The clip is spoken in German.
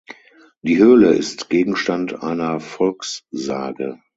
Die Höhle ist Gegenstand einer Volkssage.